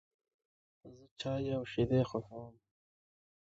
زه چای او شیدې خوښوم.